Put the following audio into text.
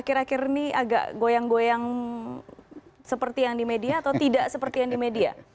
akhir akhir ini agak goyang goyang seperti yang di media atau tidak seperti yang di media